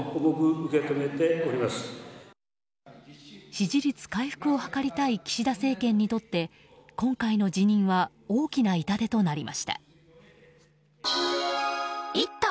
支持率回復を図りたい岸田政権にとって今回の辞任は大きな痛手となりました。